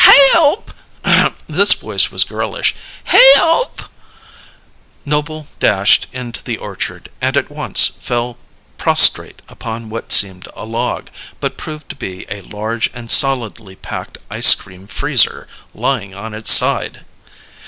Oh, hay yulp!" This voice was girlish. "Hay yulp!" Noble dashed into the orchard, and at once fell prostrate upon what seemed a log, but proved to be a large and solidly packed ice cream freezer lying on its side.